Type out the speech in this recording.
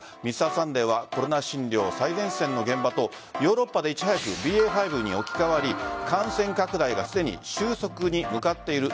「Ｍｒ．サンデー」はコロナ診療最前線の現場とヨーロッパでいち早くＢＡ．５に置き換わり感染拡大がすでに収束に向かっている